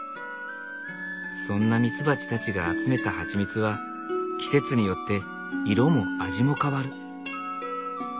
そんなミツバチたちが集めたハチミツは季節によって色も味も変わる。